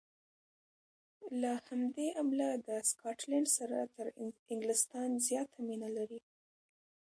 له همدې امله د سکاټلنډ سره تر انګلیستان زیاته مینه لري.